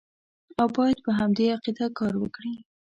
او باید په همدې عقیده کار وکړي.